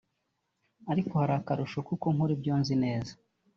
ariko hari akarusho k’uko nkora ibyo nzi neza